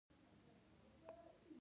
ایا ستاسو درملنه به وړیا وي؟